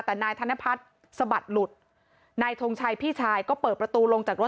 แต่นายธนพัฒน์สะบัดหลุดนายทงชัยพี่ชายก็เปิดประตูลงจากรถ